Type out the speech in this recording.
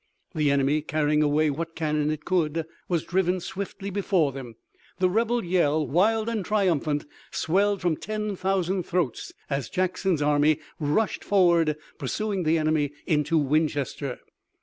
The enemy, carrying away what cannon he could, was driven swiftly before them. The rebel yell, wild and triumphant, swelled from ten thousand throats as Jackson's army rushed forward, pursuing the enemy into Winchester.